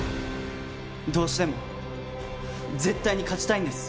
どうしても絶対に勝ちたいんです。